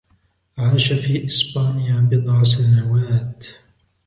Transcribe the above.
عاش في إسبانيا بضع سنوات.